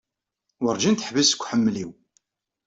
Werǧin teḥbis deg uḥemmel-iw.